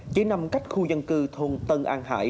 chỉ nằm cách khu dân cư thùng tân an